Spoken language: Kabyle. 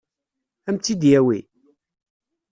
Ad m-tt-id-yawi?